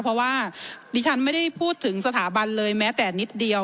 เพราะว่าดิฉันไม่ได้พูดถึงสถาบันเลยแม้แต่นิดเดียว